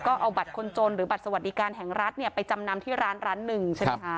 ก็เอาบัตรคนจนหรือบัตรสวัสดิการแห่งรัฐเนี่ยไปจำนำที่ร้านร้านหนึ่งใช่ไหมคะ